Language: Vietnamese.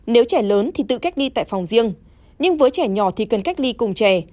nếu trẻ lớn thì tự cách ly tại phòng riêng nhưng với trẻ nhỏ thì cần cách ly cùng trẻ